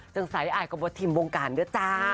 จังสัยอายกระบวดทีมวงการด้วยจ้า